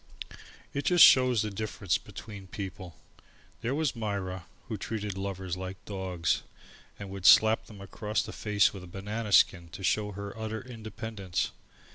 It just shows the difference between people. There was Myra who treated lovers like dogs and would slap them across the face with a banana skin to show her utter independence.